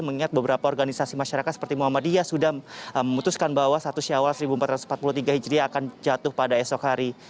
mengingat beberapa organisasi masyarakat seperti muhammadiyah sudah memutuskan bahwa satu syawal seribu empat ratus empat puluh tiga hijriah akan jatuh pada esok hari